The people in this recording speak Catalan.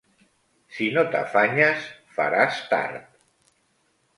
Si no t'afanyes, faràs tard.